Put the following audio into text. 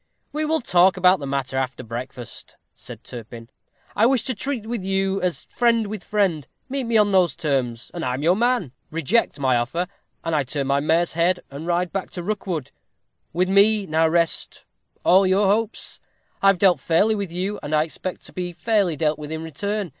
"We will talk about the matter after breakfast," said Turpin. "I wish to treat with you as friend with friend. Meet me on those terms, and I am your man; reject my offer, and I turn my mare's head, and ride back to Rookwood. With me now rest all your hopes. I have dealt fairly with you, and I expect to be fairly dealt with in return.